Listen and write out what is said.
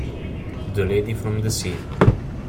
The Lady from the Sea